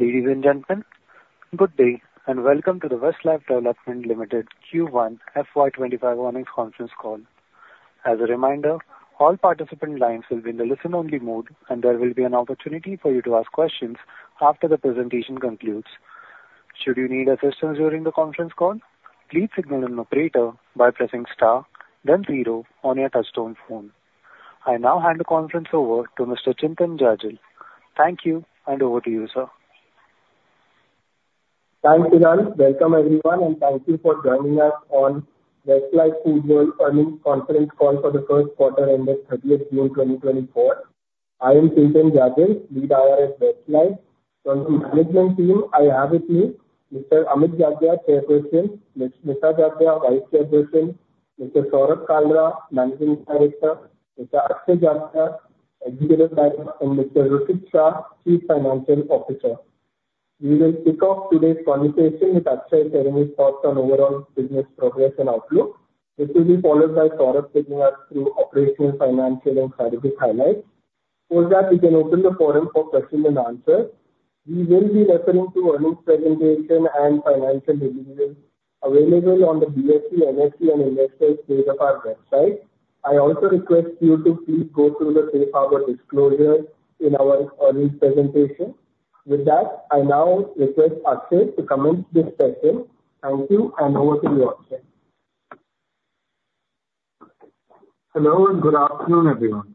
Ladies and gentlemen, good day, and welcome to the Westlife Foodworld Limited Q1 FY25 earnings conference call. As a reminder, all participant lines will be in the listen-only mode, and there will be an opportunity for you to ask questions after the presentation concludes. Should you need assistance during the conference call, please signal an operator by pressing star then zero on your touchtone phone. I now hand the conference over to Mr. Chintan Jajal. Thank you, and over to you, sir. Thanks, Kiran. Welcome, everyone, and thank you for joining us on Westlife Foodworld earnings conference call for the Q1 ended 30th June 2024. I am Chintan Jajal, lead IR at Westlife. From the management team, I have with me Mr. Amit Jatia, Chairperson; Ms. Smita Jatia, Vice Chairperson; Mr. Saurabh Kalra, Managing Director; Mr. Akshay Jatia, Executive Director; and Mr. Hrushit Shah, Chief Financial Officer. We will kick off today's presentation with Akshay sharing his thoughts on overall business progress and outlook. This will be followed by Saurabh taking us through operational, financial, and strategic highlights. Before that, we can open the forum for question and answer. We will be referring to earnings presentation and financial details available on the BSE, NSE, and investors page of our website. I also request you to please go through the safe harbor disclosure in our earnings presentation. With that, I now request Akshay to commence this session. Thank you, and over to you, Akshay. Hello, and good afternoon, everyone.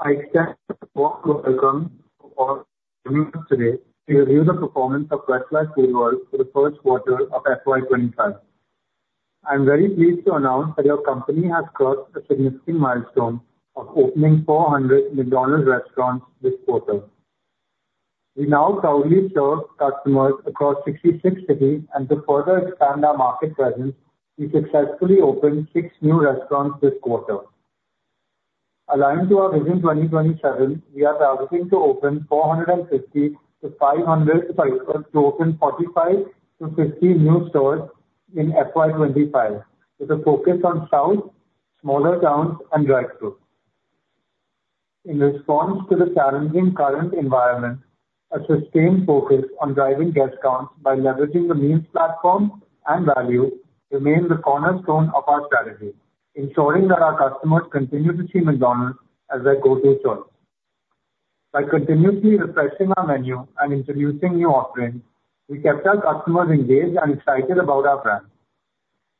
I extend a warm welcome for joining us today to review the performance of Westlife Foodworld for the Q1 of FY25. I'm very pleased to announce that our company has crossed a significant milestone of opening 400 McDonald's restaurants this quarter. We now proudly serve customers across 66 cities, and to further expand our market presence, we successfully opened six new restaurants this quarter. Aligned to our Vision 2027, we are targeting to open 450-500 to open 45-50 new stores in FY25, with a focus on South, smaller towns, and drive-through. In response to the challenging current environment, a sustained focus on driving guest counts by leveraging the meals platform and value remain the cornerstone of our strategy, ensuring that our customers continue to see McDonald's as their go-to choice. By continuously refreshing our menu and introducing new offerings, we kept our customers engaged and excited about our brand.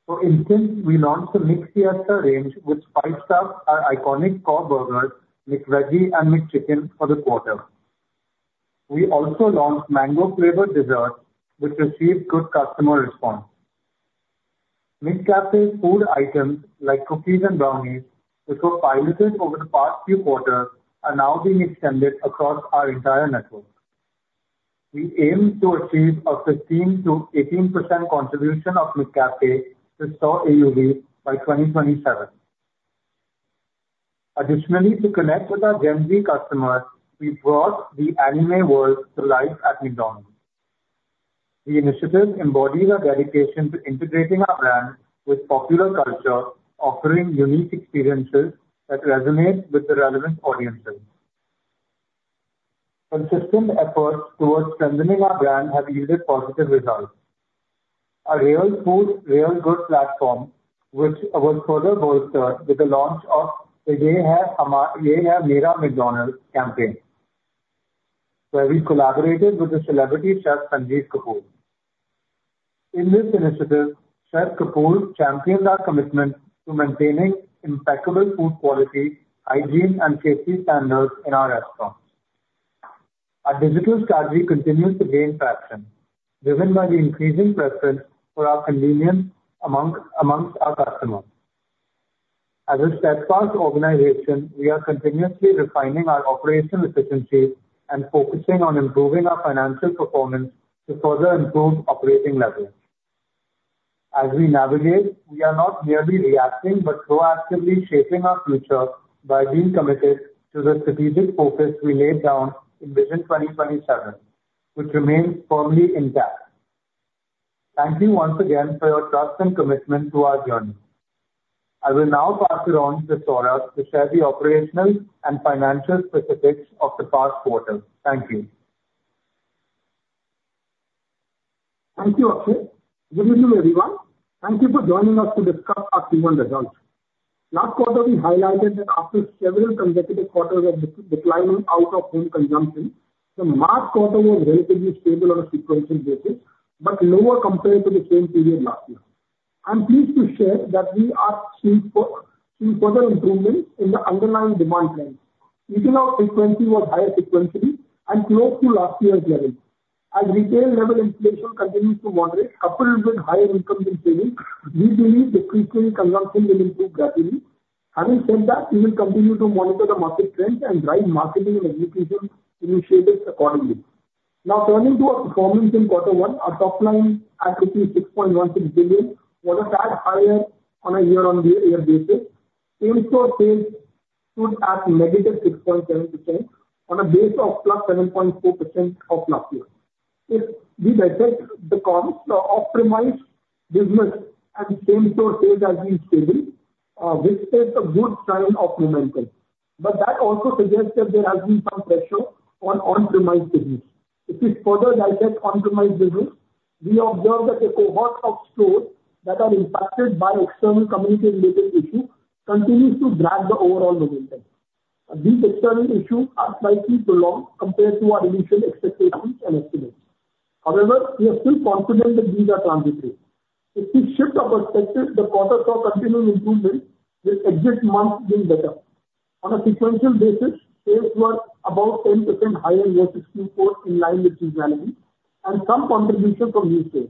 For instance, we launched the McFiesta range, which spiced up our iconic core burgers, McVeggie and McChicken, for the quarter. We also launched mango-flavored dessert, which received good customer response. McCafe food items like cookies and brownies, which were piloted over the past few quarters, are now being extended across our entire network. We aim to achieve a 15%-18% contribution of McCafe to store AUV by 2027. Additionally, to connect with our Gen Z customers, we brought the anime world to life at McDonald's. The initiative embodies our dedication to integrating our brand with popular culture, offering unique experiences that resonate with the relevant audiences. Consistent efforts towards strengthening our brand have yielded positive results. Our Real Food, Real Good platform, which was further bolstered with the launch of Ye Hai Mera McDonald's campaign, where we collaborated with the celebrity chef Sanjeev Kapoor. In this initiative, Chef Kapoor champions our commitment to maintaining impeccable food quality, hygiene, and safety standards in our restaurants. Our digital strategy continues to gain traction, driven by the increasing preference for our convenience among, amongst our customers. As a steadfast organization, we are continuously refining our operational efficiencies and focusing on improving our financial performance to further improve operating leverage. As we navigate, we are not merely reacting, but proactively shaping our future by being committed to the strategic focus we laid down in Vision 2027, which remains firmly intact. Thank you once again for your trust and commitment to our journey. I will now pass it on to Saurabh to share the operational and financial specifics of the past quarter. Thank you. Thank you, Akshay. Good evening, everyone. Thank you for joining us to discuss our Q1 results. Last quarter, we highlighted that after several consecutive quarters of declining out-of-home consumption, the March quarter was relatively stable on a sequential basis, but lower compared to the same period last year. I'm pleased to share that we are seeing seeing further improvement in the underlying demand trends. Within our frequency was higher sequentially and close to last year's levels. As retail level inflation continues to moderate, coupled with higher income being generated, we believe the frequency consumption will improve gradually. Having said that, we will continue to monitor the market trends and drive marketing and execution initiatives accordingly. Now, turning to our performance in quarter one, our top line at 66.16 billion was a tad higher on a year-on-year basis. Same-store sales stood at -6.7% on a base of +7.4% of last year. If we adjust the current optimized business and same-store sales as being stable, which is a good sign of momentum. But that also suggests that there has been some pressure on on-premise business. If we further dissect on-premise business, we observe that the cohort of stores that are impacted by external community-related issues continues to drag the overall momentum. These external issues are slightly prolonged compared to our initial expectations and estimates. However, we are still confident that these are transitory. If we shift our perspective, the quarter saw continuing improvement, with exit months being better. On a sequential basis, sales were about 10% higher year 64, in line with seasonality and some contribution from new stores.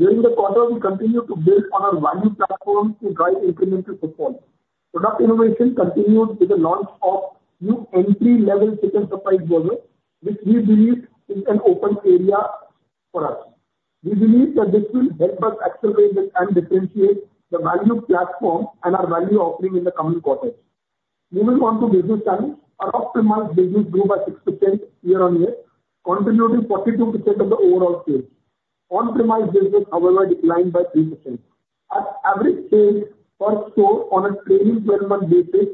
During the quarter, we continued to build on our value platform to drive incremental footfall. Product innovation continued with the launch of new entry-level Chicken Surprise Burger, which we believe is an open area for us. We believe that this will help us accelerate and differentiate the value platform and our value offering in the coming quarters. Moving on to business channels, our off-premise business grew by 6% year-on-year, contributing 42% of the overall sales. On-premise business, however, declined by 3%. Our average sales per store on a trailing twelve-month basis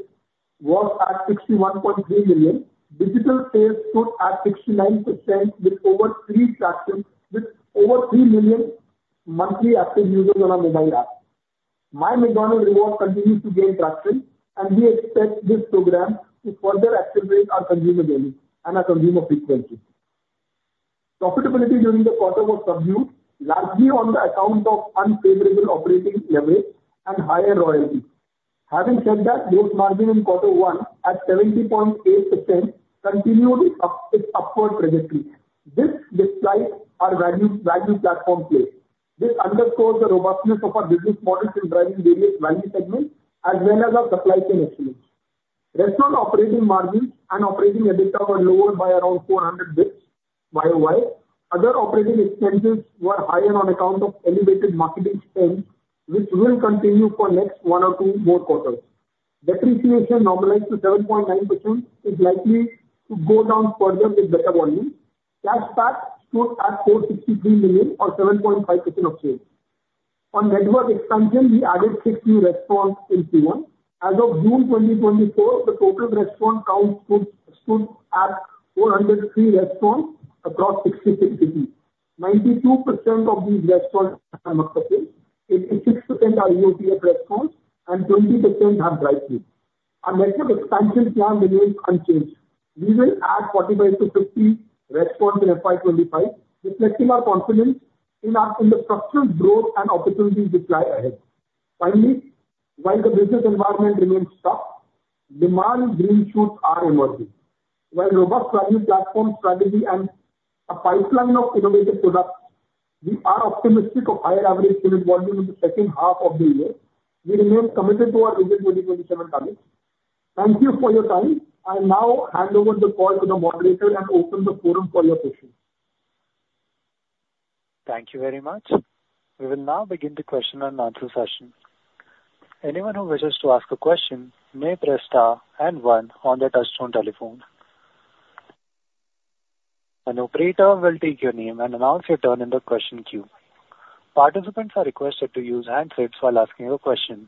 was at 61.3 million. Digital sales stood at 69%, with over 3 million monthly active users on our mobile app. My McDonald's Rewards continues to gain traction, and we expect this program to further accelerate our consumer journey and our consumer frequency. Profitability during the quarter was subdued, largely on account of unfavorable operating leverage and higher royalty. Having said that, gross margin in quarter one at 70.8% continued its upward trajectory. This despite our value platform play. This underscores the robustness of our business model in driving various value segments as well as our supply chain excellence. Restaurant operating margins and operating EBITDA were lower by around 400 bps YOY. Other operating expenses were higher on account of elevated marketing spend, which will continue for next one or two more quarters. Depreciation normalized to 7.9% is likely to go down further with better volume. Cash PAT stood at 463 million, or 7.5% of sales. On network expansion, we added 60 restaurants in Q1. As of June 2024, the total restaurant count stood at 403 restaurants across 66 cities. 92% of these restaurants are profitable, and 6% are EOTF restaurants, and 20% have drive-through. Our network expansion plan remains unchanged. We will add 45-50 restaurants in FY 2025, reflecting our confidence in our in the structural growth and opportunity we see ahead. Finally, while the business environment remains tough, demand green shoots are emerging. With robust value platform strategy and a pipeline of innovative products, we are optimistic of higher average daily volume in the H2 of the year. We remain committed to our Vision 2027 target. Thank you for your time. I now hand over the call to the moderator and open the forum for your questions. Thank you very much. We will now begin the question and answer session. Anyone who wishes to ask a question may press star and one on their touchtone telephone. An operator will take your name and announce your turn in the question queue. Participants are requested to use handsets while asking your question.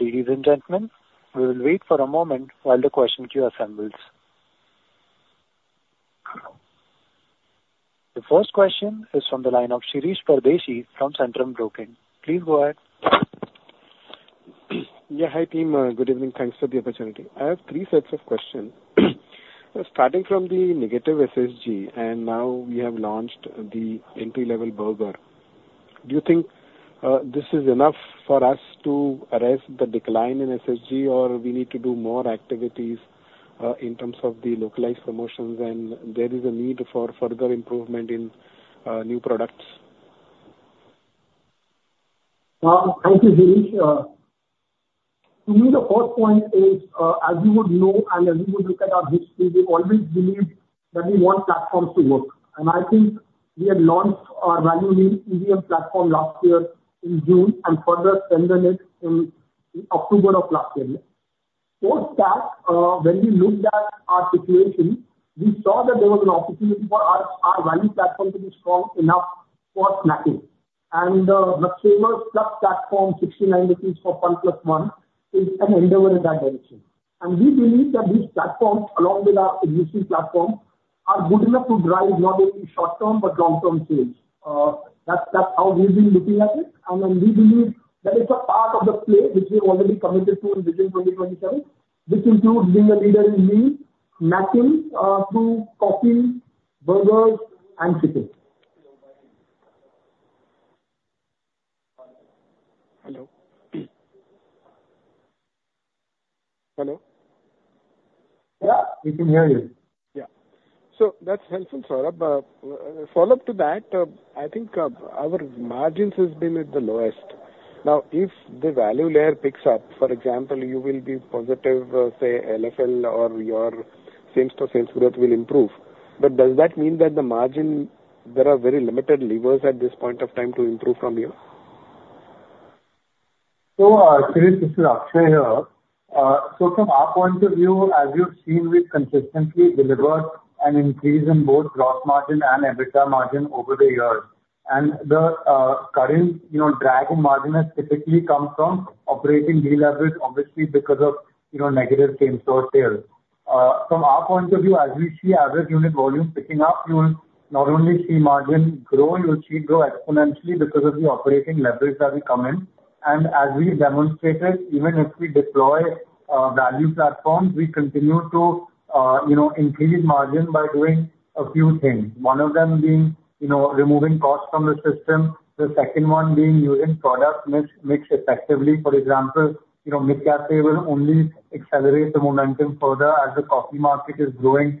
Ladies and gentlemen, we will wait for a moment while the question queue assembles. The first question is from the line of Shirish Pardeshi from Centrum Broking. Please go ahead. Yeah, hi, team. Good evening. Thanks for the opportunity. I have three sets of questions. Starting from the negative SSG, and now we have launched the entry-level burger. Do you think, this is enough for us to arrest the decline in SSG, or we need to do more activities, in terms of the localized promotions, and there is a need for further improvement in, new products? Thank you, Shirish. To me, the first point is, as you would know and as you would look at our history, we've always believed that we want platforms to work. And I think we have launched our value meal EVM platform last year in June and further strengthened it in October of last year. Post that, when we looked at our situation, we saw that there was an opportunity for our, our value platform to be strong enough for snacking. And, the flavor plus platform, 69 rupees for one plus one, is an endeavor in that direction. And we believe that these platforms, along with our existing platforms, are good enough to drive not only short-term, but long-term sales. That's, that's how we've been looking at it. And then we believe that it's a part of the play which we've already committed to in Vision 2027. This includes being a leader in meals, snacking, through coffee, burgers, and chicken. Hello? Hello? Yeah, we can hear you. Yeah. So that's helpful, Saurabh. Follow up to that, I think, our margins has been at the lowest. Now, if the value layer picks up, for example, you will be positive, say LFL or your same-store sales growth will improve. But does that mean that the margin, there are very limited levers at this point of time to improve from here? So, Shirish, this is Akshay here. So from our point of view, as you've seen, we've consistently delivered an increase in both gross margin and EBITDA margin over the years. And the current, you know, drag in margin has typically come from operating deleverage, obviously, because of, you know, negative same-store sales. From our point of view, as we see average unit volume picking up, you will not only see margin grow, you will see it grow exponentially because of the operating leverage that will come in. And as we demonstrated, even if we deploy value platforms, we continue to, you know, increase margin by doing a few things. One of them being, you know, removing costs from the system, the second one being using product mix, mix effectively. For example, you know, McCafe will only accelerate the momentum further as the coffee market is growing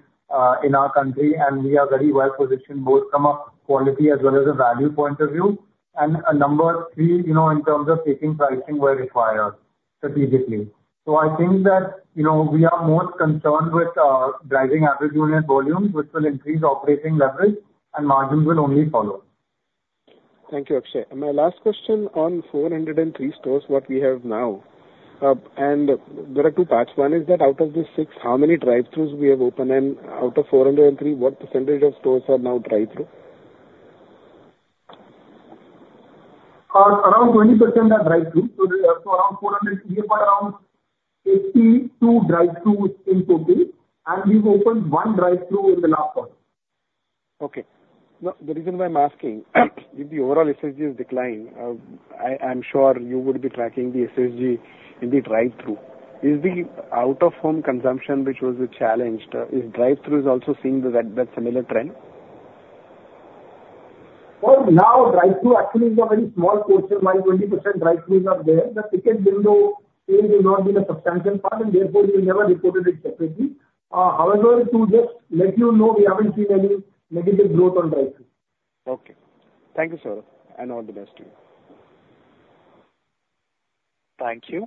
in our country, and we are very well positioned, both from a quality as well as a value point of view. And, number three, you know, in terms of taking pricing where required strategically. So I think that, you know, we are more concerned with driving average unit volume, which will increase operating leverage, and margins will only follow. Thank you, Akshay. My last question on 403 stores, what we have now, and there are two parts. One is that out of the 6, how many drive-throughs we have open? And out of 403, what percentage of stores are now drive-through? Around 20% are drive-through. So around 400, we have got around 82 drive-through in total, and we've opened one drive-through in the last quarter. Okay. Now, the reason why I'm asking, with the overall SSG's decline, I'm sure you would be tracking the SSG in the drive-through. Is the out-of-home consumption, which was a challenge, is drive-through also seeing that similar trend? Well, now, drive-through actually is a very small portion. While 20% drive-throughs are there, the ticket window sales has not been a substantial part, and therefore, we never reported it separately. However, to just let you know, we haven't seen any negative growth on drive-through. Okay. Thank you, sir, and all the best to you. Thank you.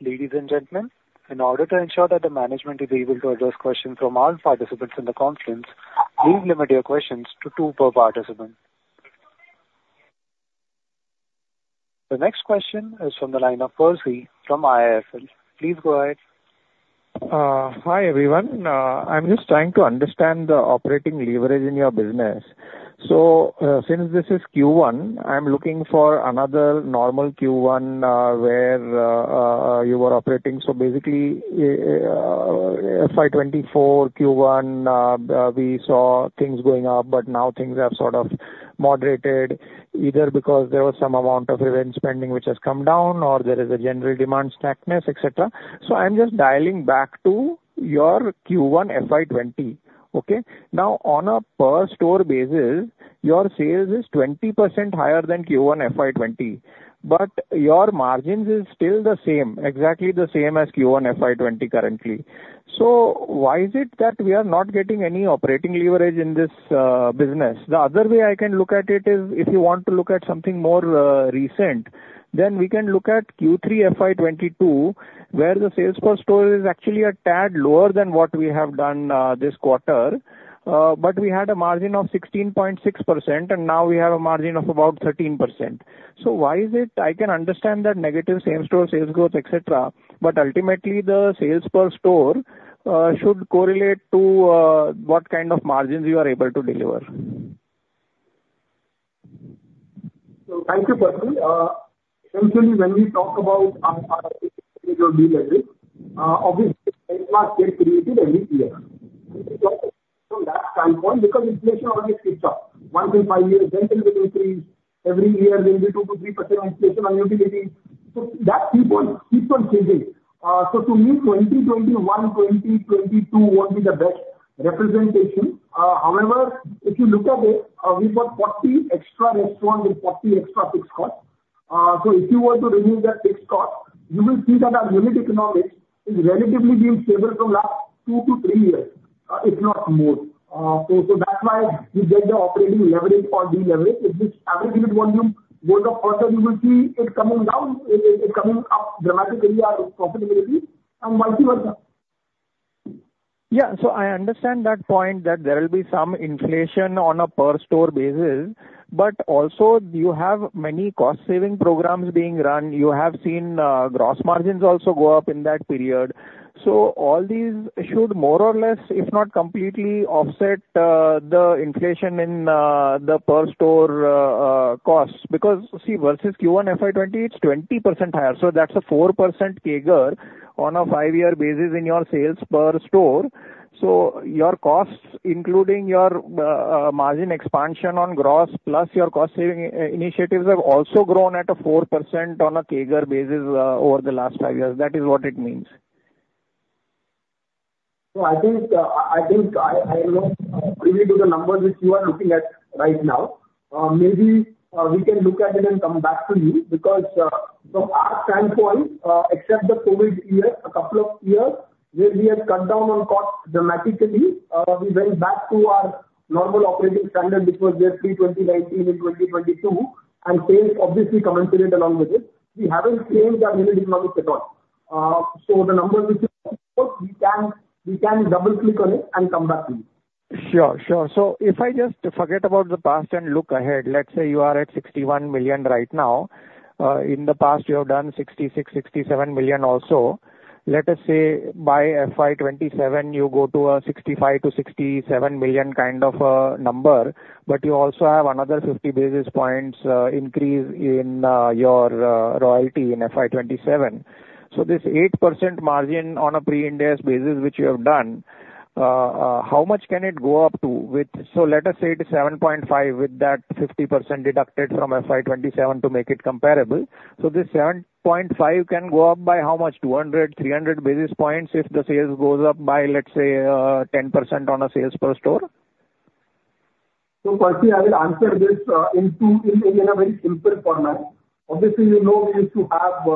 Ladies and gentlemen, in order to ensure that the management is able to address questions from all participants in the conference, please limit your questions to two per participant. The next question is from the line of Percy from IIFL. Please go ahead. Hi, everyone. I'm just trying to understand the operating leverage in your business. So, since this is Q1, I'm looking for another normal Q1, where you were operating. So basically, FY 2024 Q1, we saw things going up, but now things have sort of moderated, either because there was some amount of event spending which has come down, or there is a general demand stagnant, et cetera. So I'm just dialing back to your Q1 FY 2020, okay? Now, on a per store basis, your sales is 20% higher than Q1 FY 2020, but your margins is still the same, exactly the same as Q1 FY 2020 currently. So why is it that we are not getting any operating leverage in this business? The other way I can look at it is, if you want to look at something more, recent, then we can look at Q3 FY 2022, where the sales per store is actually a tad lower than what we have done, this quarter. But we had a margin of 16.6%, and now we have a margin of about 13%. So why is it—I can understand that negative same-store sales growth, et cetera, but ultimately, the sales per store, should correlate to, what kind of margins you are able to deliver. So thank you, Percy. Essentially, when we talk about our costs obviously get created every year from that standpoint, because inflation always keeps up. 1-5 years, rent will increase. Every year there will be 2%-3% inflation on utility. So that keeps on changing. So to me, 2021, 2022 won't be the best representation. However, if you look at it, we've got 40 extra restaurants with 40 extra fixed costs. So if you were to remove that fixed cost, you will see that our unit economics is relatively been stable from last 2-3 years, if not more. So that's why you get the operating leverage or deleverage. If this average unit volume goes up further, you will see it coming down, it coming up dramatically, our profitability and multiples. Yeah. So I understand that point, that there will be some inflation on a per store basis, but also you have many cost-saving programs being run. You have seen gross margins also go up in that period. So all these should more or less, if not completely, offset the inflation in the per store costs. Because, see, versus Q1 FY2020, it's 20% higher, so that's a 4% CAGR on a 5-year basis in your sales per store. So your costs, including your margin expansion on gross, plus your cost-saving initiatives, have also grown at a 4% on a CAGR basis over the last 5 years. That is what it means. So I think I know really to the numbers which you are looking at right now, maybe we can look at it and come back to you. Because from our standpoint, except the COVID year, a couple of years where we had cut down on costs dramatically, we went back to our normal operating standard, which was there pre-2019 to 2022, and sales obviously commensurate along with it. We haven't changed our unit economics at all. So the numbers we can double-click on it and come back to you.... Sure, sure. So if I just forget about the past and look ahead, let's say you are at 61 million right now. In the past, you have done 66 million, 67 million also. Let us say by FY 2027, you go to a 65 million-67 million kind of number, but you also have another 50 basis points increase in your royalty in FY 2027. So this 8% margin on a pre-IndAS basis, which you have done, how much can it go up to? So let us say it is 7.5, with that 50% deducted from FY 2027 to make it comparable. So this 7.5 can go up by how much? 200, 300 basis points, if the sales goes up by, let's say, 10% on a sales per store? Firstly, I will answer this in two in a very simple format. Obviously, you know, we used to have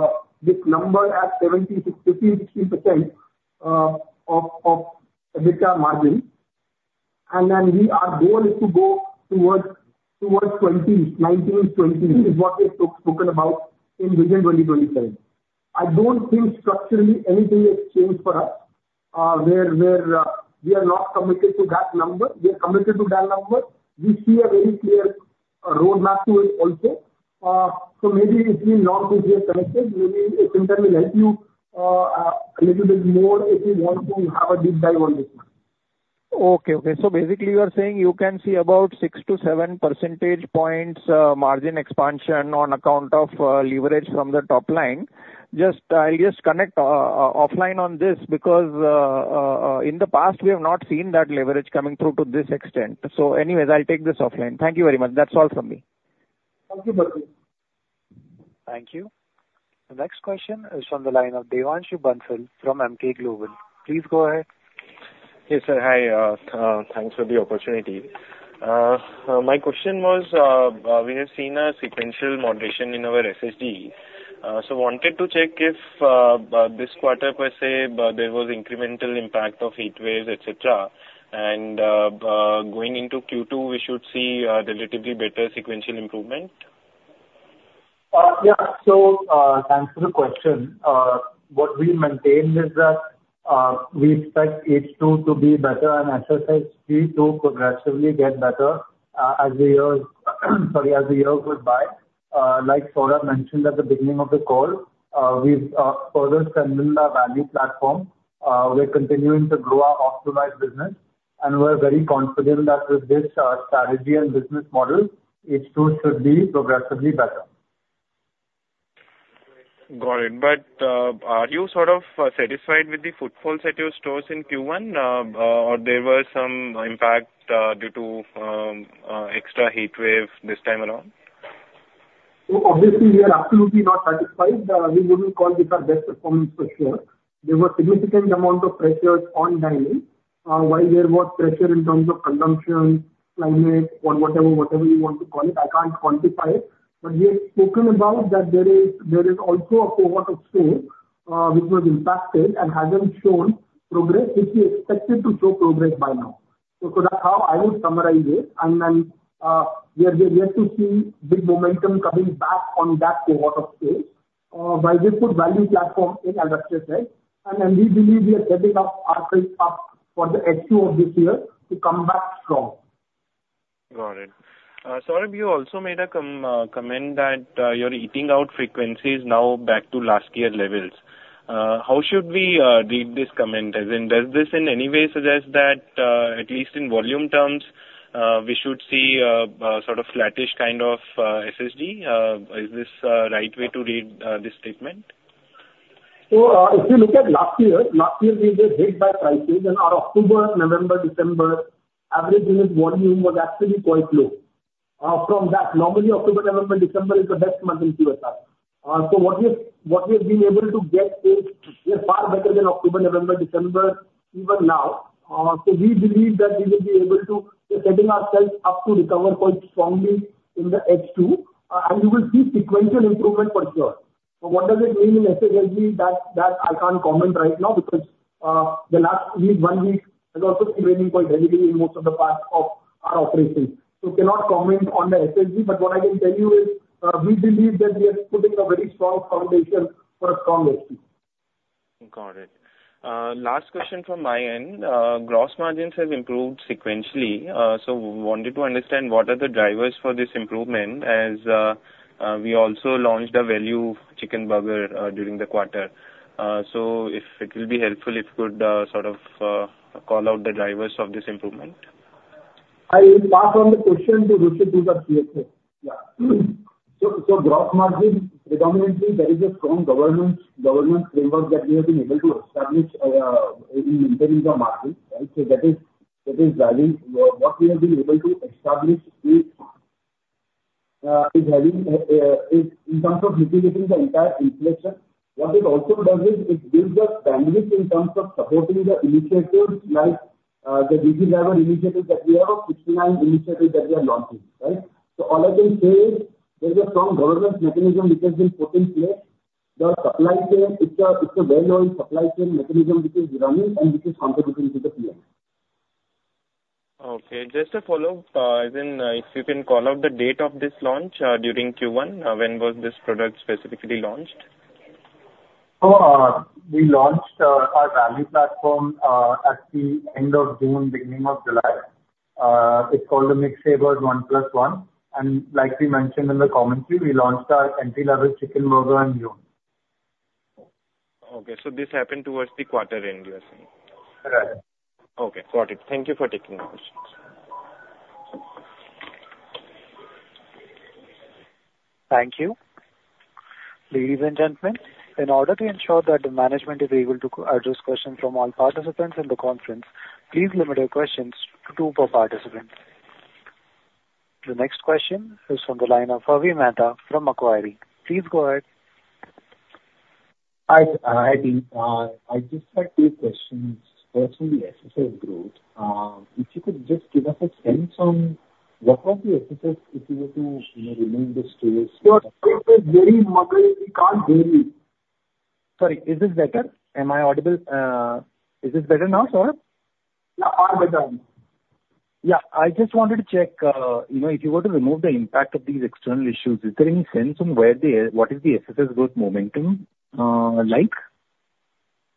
this number at 70, 60, 60% of EBITDA margin. Then we, our goal is to go towards 20s, 19, 20, is what we've spoken about in Vision 2027. I don't think structurally anything has changed for us, where we are not committed to that number. We are committed to that number. We see a very clear roadmap to it also. So maybe if we not get connected, maybe Chintan will help you a little bit more, if you want to have a deep dive on this one. Okay, okay. So basically, you are saying you can see about 6-7 percentage points margin expansion on account of leverage from the top line. Just, I'll just connect offline on this, because in the past, we have not seen that leverage coming through to this extent. So anyways, I'll take this offline. Thank you very much. That's all from me. Thank you, Patrick. Thank you. The next question is from the line of Devanshu Bansal from Emkay Global. Please go ahead. Hey, sir. Hi, thanks for the opportunity. My question was, we have seen a sequential moderation in our SSG. So wanted to check if, this quarter per se, there was incremental impact of heatwaves, et cetera. And, going into Q2, we should see a relatively better sequential improvement? Yeah. So, thanks for the question. What we maintained is that we expect H2 to be better, and Q3 to progressively get better as the years, sorry, as the years go by. Like Saurabh mentioned at the beginning of the call, we've further strengthened our value platform. We're continuing to grow our optimized business, and we're very confident that with this strategy and business model, H2 should be progressively better. Got it. But, are you sort of satisfied with the footfalls at your stores in Q1? Or there were some impact due to extra heatwave this time around? So obviously, we are absolutely not satisfied. We wouldn't call it our best performance for sure. There were significant amount of pressures on dining. While there was pressure in terms of consumption, climate, or whatever, whatever you want to call it, I can't quantify it. But we have spoken about that there is also a cohort of stores which was impacted and hasn't shown progress, which we expected to show progress by now. So for now, I will summarize it, and then we are yet to see the momentum coming back on that cohort of stores by this good value platform. And we believe we are setting up ourselves up for the H2 of this year to come back strong. Got it. Saurabh, you also made a comment that your eating out frequency is now back to last year's levels. How should we read this comment? As in, does this in any way suggest that at least in volume terms we should see sort of flattish kind of SSD? Is this a right way to read this statement? So, if you look at last year, last year we were hit by prices, and our October, November, December, average unit volume was actually quite low. From that, normally, October, November, December is the best months in QSR. So what we have, what we have been able to get is, we are far better than October, November, December, even now. So we believe that we will be able to setting ourselves up to recover quite strongly in the H2, and you will see sequential improvement for sure. So what does it mean in SSG? That, that I can't comment right now, because, the last week, one week, has also been raining quite heavily in most of the parts of our operations. Cannot comment on the SSG, but what I can tell you is, we believe that we are putting a very strong foundation for a strong H2. Got it. Last question from my end. Gross margins have improved sequentially. So wanted to understand, what are the drivers for this improvement, as we also launched a value chicken burger during the quarter. So if it will be helpful, if you could sort of call out the drivers of this improvement. I will pass on the question to Hrushit, the CFO. Yeah. So gross margin, predominantly, there is a strong governance framework that we have been able to establish in maintaining the margin, right? So that is value. What we have been able to establish is having is in terms of mitigating the entire inflation. What it also does is it builds the strength in terms of supporting the initiatives like the value driver initiatives that we have, 69 initiatives that we are launching, right? So all I can say is, there's a strong governance mechanism which has been put in place. The supply chain, it's a well-known supply chain mechanism which is running and which is contributing to the GM. Okay, just to follow up, then, if you can call out the date of this launch, during Q1, when was this product specifically launched?... So, we launched our value platform at the end of June, beginning of July. It's called the McSaver One Plus One, and like we mentioned in the commentary, we launched our entry-level chicken burger in June. Okay, so this happened towards the quarter end, you are saying? Correct. Okay, got it. Thank you for taking my questions. Thank you. Ladies and gentlemen, in order to ensure that the management is able to address questions from all participants in the conference, please limit your questions to two per participant. The next question is from the line of Avi Mehta from Macquarie. Please go ahead. Hi, hi, Dean. I just had two questions. First, on the SSS growth, if you could just give us a sense on what was the SSS, if you were to, you know, remove the serious- Your voice is very muffled, we can't hear you. Sorry, is this better? Am I audible? Is this better now, Saurabh? Yeah, all better. Yeah. I just wanted to check, you know, if you were to remove the impact of these external issues, is there any sense on where the, what is the SSG growth momentum, like?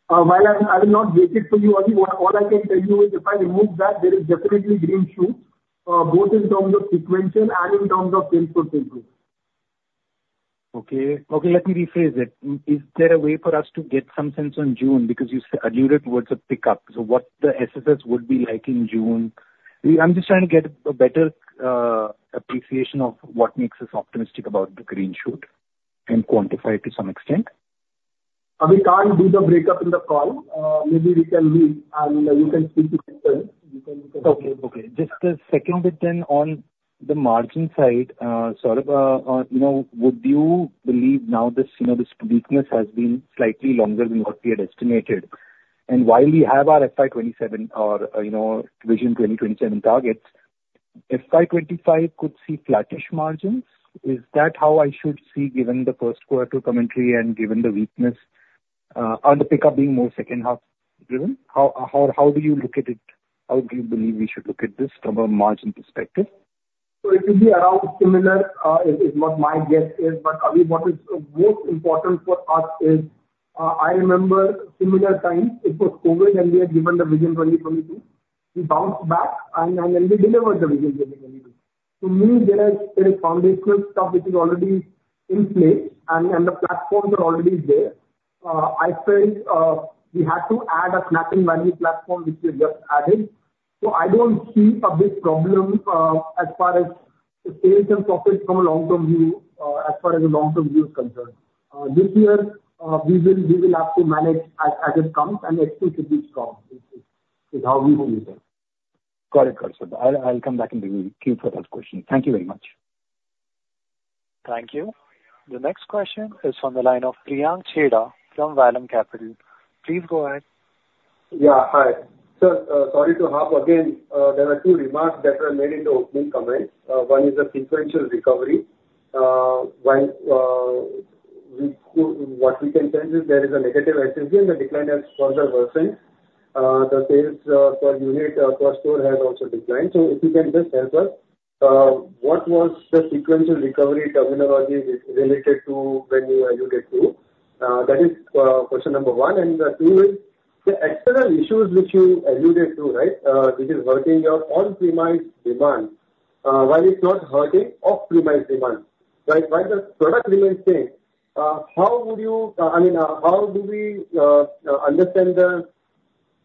While I will not break it for you, Avi, all I can tell you is if I remove that, there is definitely green shoots both in terms of sequential and in terms of sales per square foot. Okay. Okay, let me rephrase it. Is there a way for us to get some sense on June? Because you alluded towards a pickup, so what the FSS would be like in June. I'm just trying to get a better appreciation of what makes us optimistic about the green shoot, and quantify it to some extent. We can't do the breakup in the call. Maybe we can read, and you can speak to them. You can- Okay, okay. Just the second bit then, on the margin side, sort of, you know, would you believe now this, you know, this weakness has been slightly longer than what we had estimated? And while we have our FY 2027, or, you know, vision 2027 targets, FY 2025 could see flattish margins. Is that how I should see, given the Q1 commentary and given the weakness, and the pickup being more H2 driven? How, or how do you look at it? How do you believe we should look at this from a margin perspective? So it will be around similar, is what my guess is. But, Avi, what is most important for us is, I remember similar times. It was COVID, and we had given the Vision 2022. We bounced back and, and, and we delivered the Vision 2022. To me, there is a foundational stuff which is already in place, and, and the platforms are already there. I think, we had to add a snacking value platform, which we have just added. So I don't see a big problem, as far as sales and profit from a long-term view, as far as the long-term view is concerned. This year, we will have to manage as it comes, and execute it strong. It is how we look at it. Got it. Got it. I'll, I'll come back in the queue for the next question. Thank you very much. Thank you. The next question is from the line of Priyank Chheda from Vallum Capital. Please go ahead. Yeah, hi. Sir, sorry to hop again. There were two remarks that were made in the opening comments. One is the sequential recovery. While, what we can sense is there is a negative SSS, and the decline has further worsened. The sales per unit per store has also declined. So if you can just help us, what was the sequential recovery terminology related to when you alluded to? That is question number one. And two is, the external issues which you alluded to, right? Which is hurting your on-premise demand, why it's not hurting off-premise demand, right? Why the product remains same. I mean, how do we understand the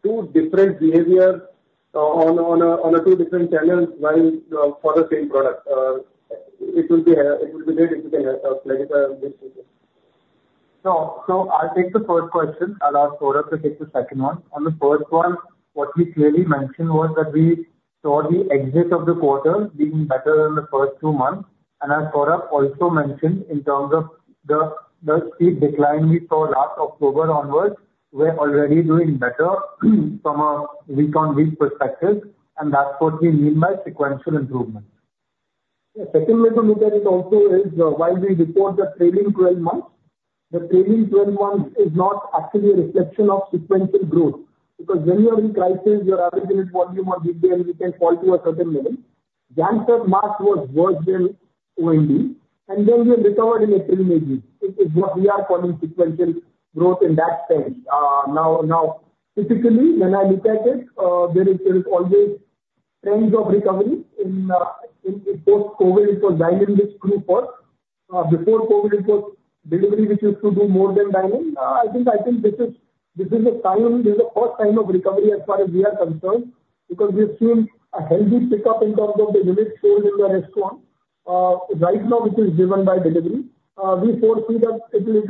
two different behaviors on two different channels while for the same product? It will be great if you can help us clarify this issue. So, so I'll take the first question, I'll ask Saurabh to take the second one. On the first one, what we clearly mentioned was that we saw the exit of the quarter being better than the first two months. And as Saurabh also mentioned, in terms of the steep decline we saw last October onwards, we're already doing better from a week-on-week perspective, and that's what we mean by sequential improvement. Yeah. Second way to look at it also is, while we report the trailing twelve months, the trailing twelve months is not actually a reflection of sequential growth. Because when you are in crisis, your average unit volume or GCs can fall to a certain level. January month was worse than OMD, and then we recovered in a trailing basis. It, what we are calling sequential growth in that sense. Now, typically, when I look at it, there is always trends of recovery in post-COVID, it was dine-in which grew first. Before COVID, it was delivery, which used to do more than dine-in. I think this is a first time of recovery as far as we are concerned. Because we've seen a healthy pickup in terms of the unit sales in the restaurant. Right now, it is driven by delivery. We foresee that it will,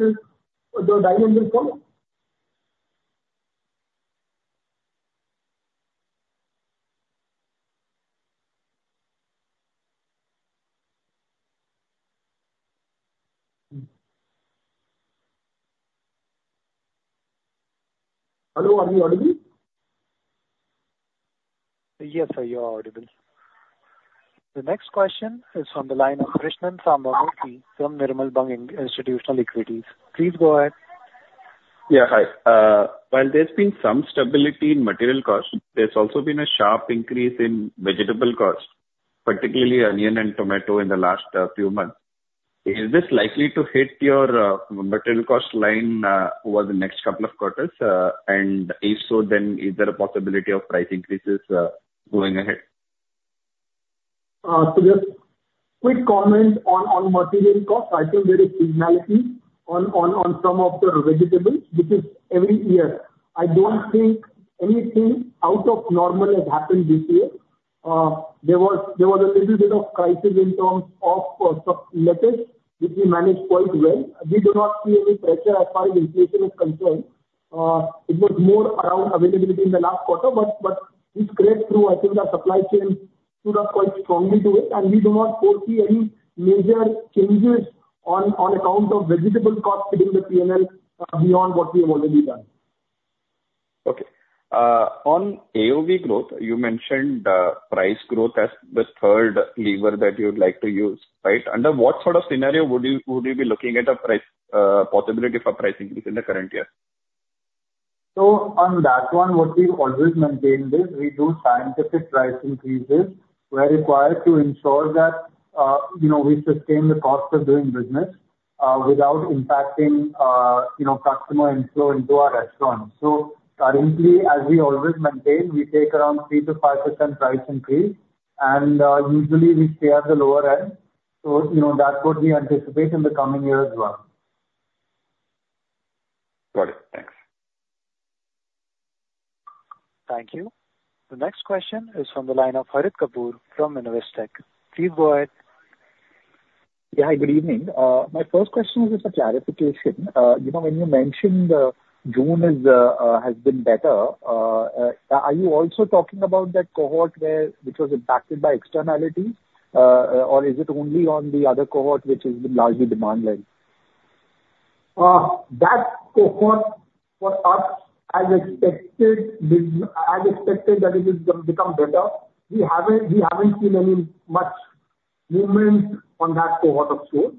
the dine-in will come. Hello, are you audible? Yes, sir, you are audible. The next question is from the line of Krishnan Sambamoorthy from Nirmal Bang Institutional Equities. Please go ahead. Yeah, hi. While there's been some stability in material costs, there's also been a sharp increase in vegetable costs, particularly onion and tomato in the last few months. Is this likely to hit your material cost line over the next couple of quarters? And if so, then is there a possibility of price increases going ahead? So just quick comment on material costs. I think there is seasonality on some of the vegetables, which is every year. I don't think anything out of normal has happened this year. There was a little bit of crisis in terms of lettuce, which we managed quite well. We do not see any pressure as far as inflation is concerned. It was more around availability in the last quarter, but it's got through. I think our supply chain stood up quite strongly to it, and we do not foresee any major changes on account of vegetable costs in the P&L beyond what we have already done. Okay. On AOV growth, you mentioned price growth as the third lever that you would like to use, right? Under what sort of scenario would you be looking at a price possibility for price increase in the current year? So on that one, what we've always maintained is we do scientific price increases where required to ensure that, you know, we sustain the cost of doing business, without impacting, you know, customer inflow into our restaurants. So currently, as we always maintain, we take around 3%-5% price increase, and, usually we stay at the lower end. So, you know, that's what we anticipate in the coming year as well. Got it. Thanks. Thank you. The next question is from the line of Harit Kapoor from Investec. Please go ahead. Yeah, hi, good evening. My first question is a clarification. You know, when you mentioned June is, has been better, are you also talking about that cohort where, which was impacted by externalities? Or is it only on the other cohort which has been largely demand-led? That cohort for us, as expected, that it will become better. We haven't seen any much movement on that cohort of store.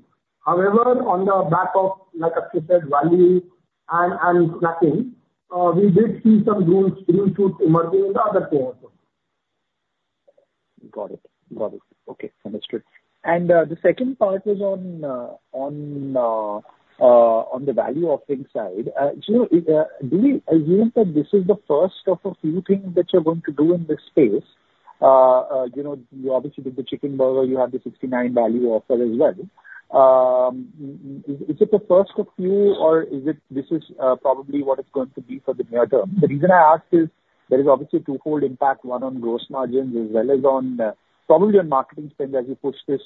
However, on the back of, like I said, value and snacking, we did see some green shoots emerging in the other cohorts. Got it. Got it. Okay, understood. The second part is on the value offering side. So, do you assume that this is the first of a few things that you're going to do in this space? You know, you obviously did the chicken burger, you have the 69 value offer as well. Is it the first of few, or is it, this is, probably what it's going to be for the near term? The reason I ask is there is obviously a twofold impact, one on gross margins as well as on, probably on marketing spend as you push this,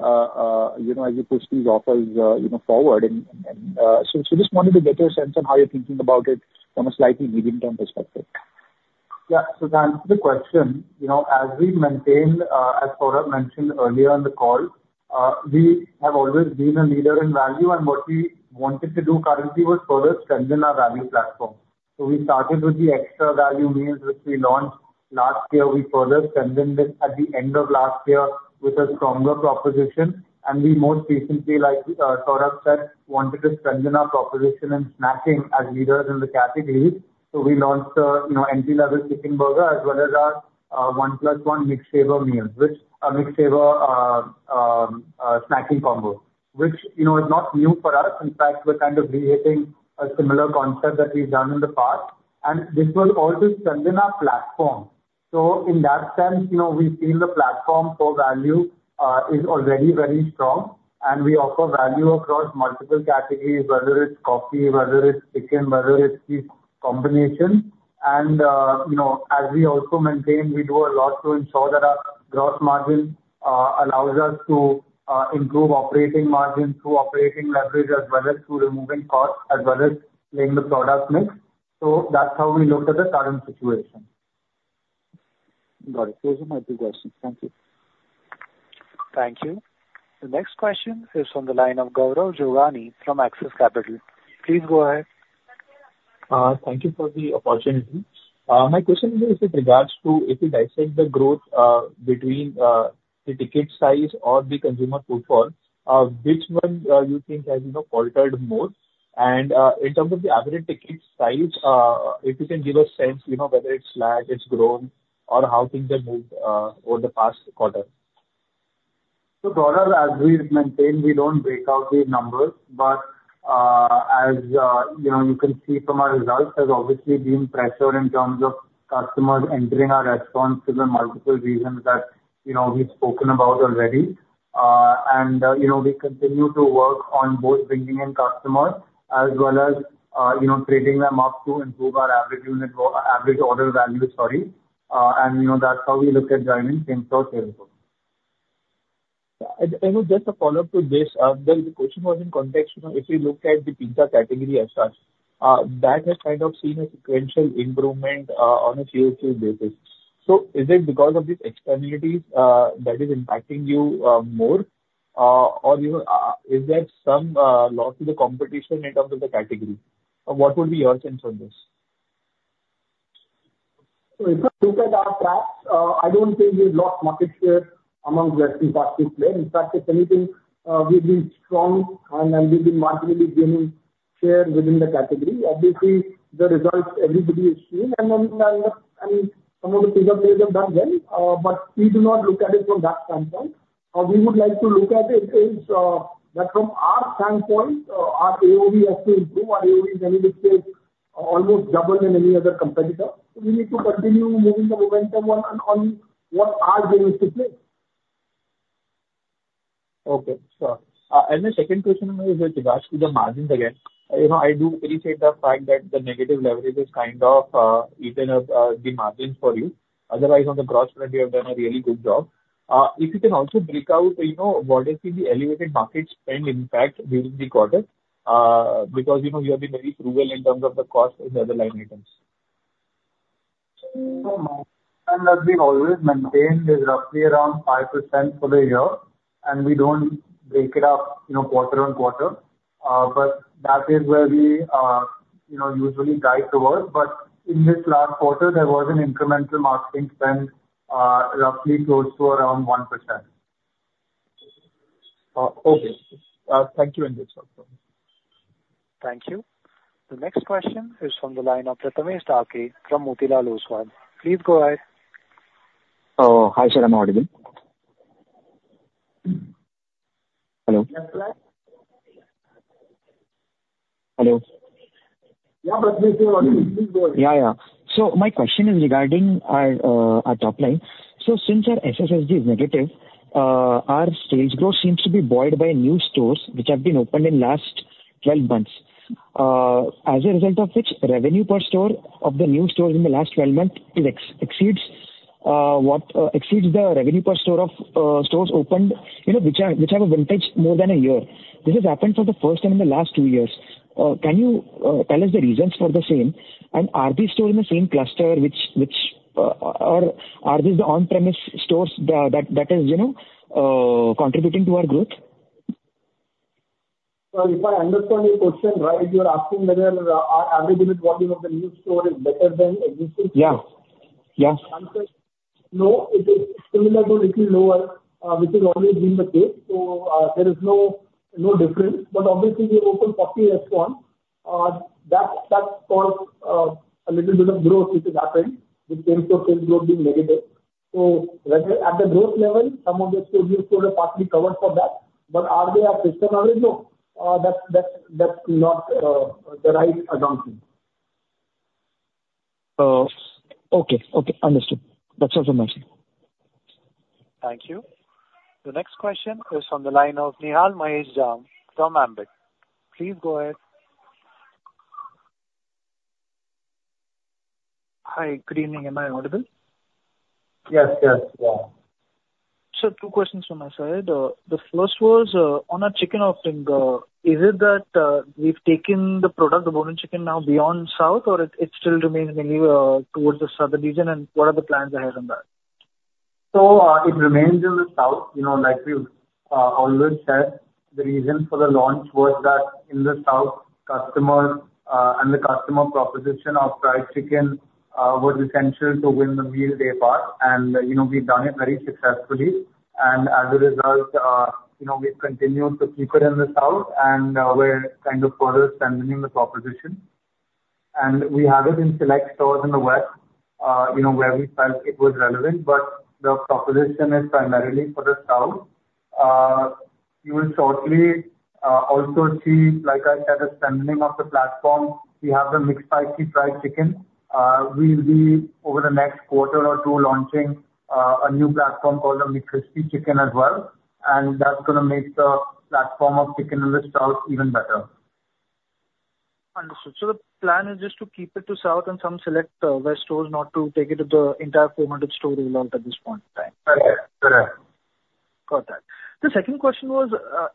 you know, as you push these offers, you know, forward. Just wanted to get your sense on how you're thinking about it from a slightly medium-term perspective. Yeah. So to answer the question, you know, as we maintained, as Saurabh mentioned earlier in the call, we have always been a leader in value, and what we wanted to do currently was further strengthen our value platform. So we started with the extra value meals which we launched last year. We further strengthened this at the end of last year with a stronger proposition, and we more recently, like, Saurabh said, wanted to strengthen our proposition in snacking as leaders in the category. So we launched a, you know, entry-level chicken burger, as well as our, one-plus-one McSaver meals, which a McSaver, a snacking combo. Which, you know, is not new for us. In fact, we're kind of rehashing a similar concept that we've done in the past, and this will also strengthen our platform. So in that sense, you know, we feel the platform for value is already very strong, and we offer value across multiple categories, whether it's coffee, whether it's chicken, whether it's these combinations. And, you know, as we also maintain, we do a lot to ensure that our gross margin allows us to improve operating margin through operating leverage, as well as through removing costs, as well as playing the product mix. So that's how we looked at the current situation. Got it. Those are my two questions. Thank you. Thank you. The next question is from the line of Gaurav Jogani from Axis Capital. Please go ahead. Thank you for the opportunity. My question is with regards to if you dissect the growth, between, the ticket size or the consumer footfall, which one, you think has, you know, faltered more? In terms of the average ticket size, if you can give a sense, you know, whether it's lagged, it's grown, or how things have moved, over the past quarter. So Gaurav, as we've maintained, we don't break out these numbers, but, as, you know, you can see from our results, there's obviously been pressure in terms of customers entering our restaurants due to multiple reasons that, you know, we've spoken about already. And, you know, we continue to work on both bringing in customers as well as, you know, trading them up to improve our average unit average order value, sorry. And, you know, that's how we look at driving same-store sales growth. Yeah, and just a follow-up to this, the question was in context, you know, if you look at the pizza category as such, that has kind of seen a sequential improvement on a QOQ basis. So is it because of the externalities that is impacting you more? Or, you know, is there some loss in the competition in terms of the category? What would be your sense on this? So if you look at our tracks, I don't think we've lost market share amongst fast food players. In fact, if anything, we've been strong and we've been marginally gaining share within the category. Obviously, the results everybody is seeing, and some of the players have done well. But we do not look at it from that standpoint. How we would like to look at it is that from our standpoint, our AOV has to improve. Our AOV is anywhere almost double than any other competitor, so we need to continue moving the momentum on what are doing to play. Okay, sure. And the second question is with regards to the margins again. You know, I do appreciate the fact that the negative leverage is kind of, even of, the margins for you. Otherwise, on the cost front, you have done a really good job. If you can also break out, you know, what is the elevated market spend impact during the quarter? Because, you know, you have been very frugal in terms of the cost and the other line items. So as we always maintained, is roughly around 5% for the year, and we don't break it up, you know, quarter-over-quarter. But that is where we, you know, usually guide towards. But in this last quarter, there was an incremental marketing spend, roughly close to around 1%. Okay. Thank you, Hrushit. Thank you. The next question is from the line of Ritesh Vaidya from Motilal Oswal. Please go ahead. Oh, hi, sir. Am I audible? Hello? Yes. Hello. Yeah, but please go ahead. Yeah, yeah. So my question is regarding our top line. So since our SSG is negative, our sales growth seems to be buoyed by new stores which have been opened in last 12 months. As a result of which, revenue per store of the new stores in the last 12 months exceeds the revenue per store of stores opened, you know, which are, which have a vintage more than a year. This has happened for the first time in the last two years. Can you tell us the reasons for the same, and are these stores in the same cluster, or are these the on-premise stores that is, you know, contributing to our growth? If I understand your question right, you're asking whether our average unit volume of the new store is better than existing? Yeah. Yeah. No, it is similar, a little lower, which has always been the case. So, there is no, no difference. But obviously, we opened 40 S1, that caused a little bit of growth, which has happened with same-store sales growth being negative. So right now, at the growth level, some of the stores we sort of partly covered for that, but are they our system average? No, that's not the right assumption. Okay. Okay, understood. That's all from my side. Thank you. The next question is from the line of Nihal Mahesh Jham from Ambit. Please go ahead. Hi, good evening. Am I audible? Yes, yes, yeah. Sir, two questions from my side. The first was on our chicken offering. Is it that we've taken the product, the bone-in chicken, now beyond South, or it still remains mainly towards the Southern region, and what are the plans ahead on that? So, it remains in the south. You know, like we've always said, the reason for the launch was that in the south, customers and the customer proposition of fried chicken was essential to win the meal daypart. And, you know, we've done it very successfully, and as a result, you know, we've continued to keep it in the south, and we're kind of further strengthening the proposition. And we have it in select stores in the west, you know, where we felt it was relevant, but the proposition is primarily for the south. You will shortly also see, like I said, a strengthening of the platform. We have the McSpicy fried chicken. We will be, over the next quarter or two, launching a new platform called the crispy chicken as well, and that's gonna make the platform of chicken in the south even better. Understood. So the plan is just to keep it to south and some select west stores, not to take it to the entire 400-store rollout at this point in time? Correct. Correct. Got that. The second question was,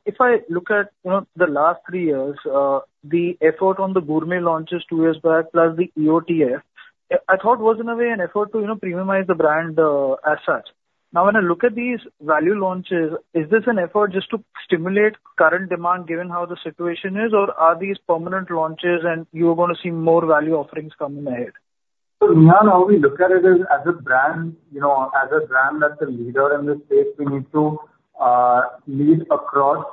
if I look at, you know, the last three years, the effort on the gourmet launches two years back, plus the EOTF, I thought was in a way an effort to, you know, premiumize the brand, as such. Now, when I look at these value launches, is this an effort just to stimulate current demand, given how the situation is, or are these permanent launches and you're gonna see more value offerings coming ahead? So Nihal, how we look at it is, as a brand, you know, as a brand that's a leader in the space, we need to lead across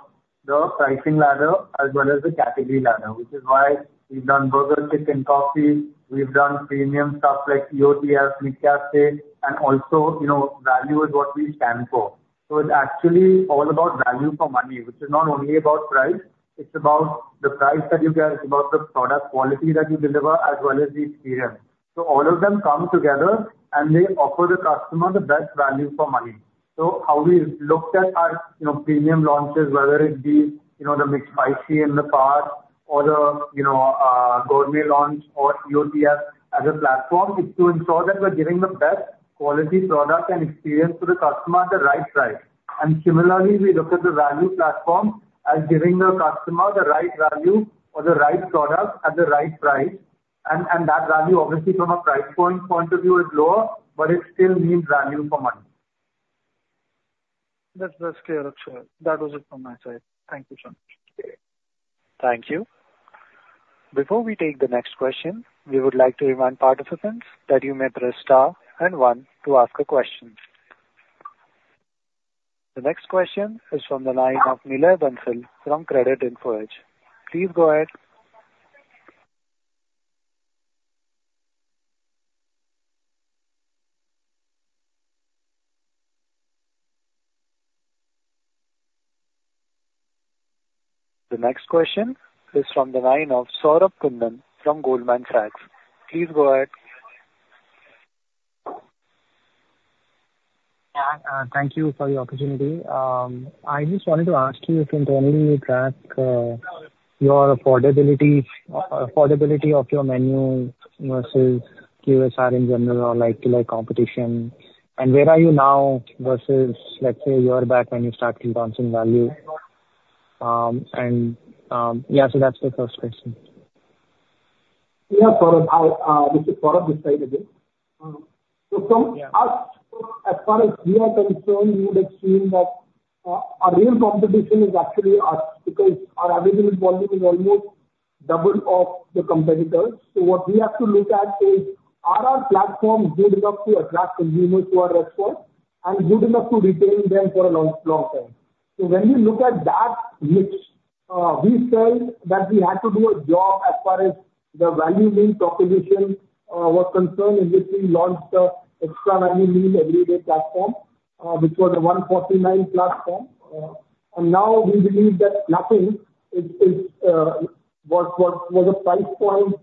the pricing ladder as well as the category ladder. Which is why we've done burger, chicken, coffee, we've done premium stuff like EOTF, McCafe, and also, you know, value is what we stand for. So it's actually all about value for money, which is not only about price, it's about the price that you get, it's about the product quality that you deliver, as well as the experience. So all of them come together, and they offer the customer the best value for money. So how we looked at our, you know, premium launches, whether it be, you know, the mixed spicy in the past or the, you know, gourmet launch or EOTF as a platform, is to ensure that we're giving the best quality product and experience to the customer at the right price. And similarly, we look at the value platform as giving the customer the right value or the right product at the right price, and that value, obviously, from a price point, point of view is lower, but it still means value for money. That's, that's clear, actually. That was it from my side. Thank you, sir. Okay. Thank you. Before we take the next question, we would like to remind participants that you may press star and one to ask a question.... The next question is from the line of Nilay Bansal from ICICI Securities. Please go ahead. The next question is from the line of Saurabh Kundan from Goldman Sachs. Please go ahead. Yeah, thank you for the opportunity. I just wanted to ask you if internally you track your affordability, affordability of your menu versus QSR in general or like competition, and where are you now versus, let's say, a year back when you started launching value? Yeah, so that's the first question. Yeah, Saurabh. Hi, this is Saurabh this side again. So from us, as far as we are concerned, you would have seen that, our real competition is actually us, because our available volume is almost double of the competitors. So what we have to look at is, are our platforms good enough to attract consumers to our restaurant and good enough to retain them for a long, long time? So when we look at that mix, we felt that we had to do a job as far as the value meal proposition, was concerned, in which we launched the extra value meal everyday platform, which was a 149 platform. And now we believe that snacking was a price point,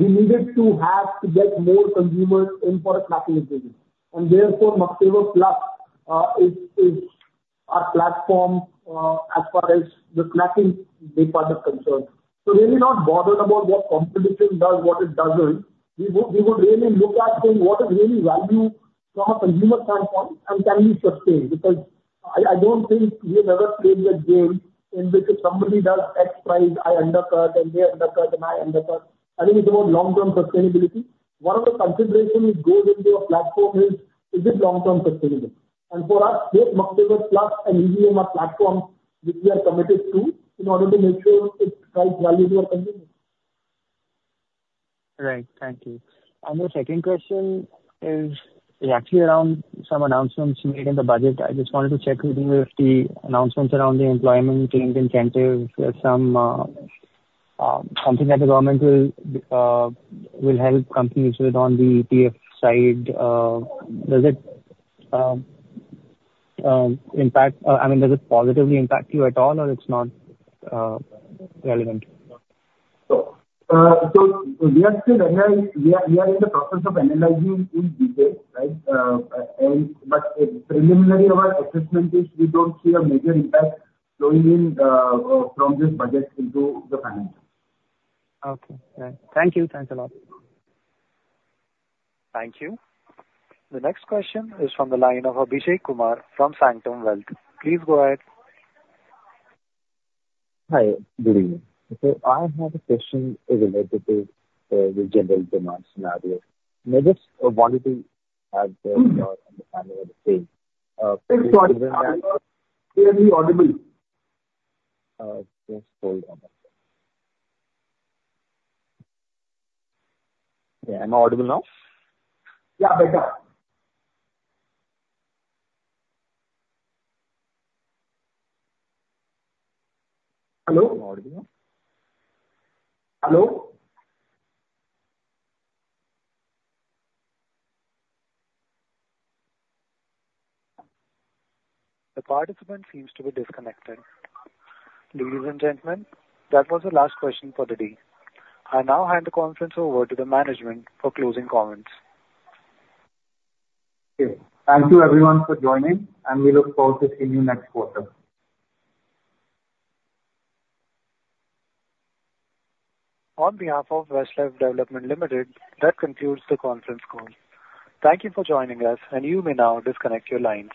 we needed to have to get more consumers in for a snacking business. And therefore, McSaver Plus is our platform as far as the snacking big part is concerned. So really not bothered about what competition does, what it doesn't. We would really look at saying: What is really value from a consumer standpoint, and can we sustain? Because I don't think we have ever played a game in which if somebody does X price, I undercut, and they undercut, and I undercut. I think it's about long-term sustainability. One of the considerations goes into a platform is, is it long-term sustainable? And for us, both McSaver Plus and EVM are platforms which we are committed to in order to make sure it drives value to our consumers. Right. Thank you. And the second question is actually around some announcements made in the budget. I just wanted to check with you if the announcements around the employment claims incentives are something that the government will help companies with on the ETF side. Does it impact, I mean, does it positively impact you at all or it's not relevant? So we are still analyzing... We are in the process of analyzing in detail, right? But preliminarily, our assessment is we don't see a major impact flowing in from this budget into the financial. Okay, great. Thank you. Thanks a lot. Thank you. The next question is from the line of Abhishek Kumar from Sanctum Wealth. Please go ahead. Hi, good evening. So I have a question related to the general demand scenario. I just wanted to have your understanding of the same. Sorry, you're barely audible. Just hold on a second. Am I audible now? Yeah, better. Hello? Audible. Hello? The participant seems to be disconnected. Ladies and gentlemen, that was the last question for the day. I now hand the conference over to the management for closing comments. Okay. Thank you everyone for joining, and we look forward to seeing you next quarter. On behalf of Westlife Development Limited, that concludes the conference call. Thank you for joining us, and you may now disconnect your lines.